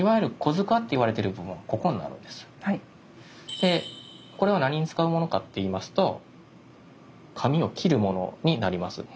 でこれは何に使うものかっていいますと紙を切るものになります。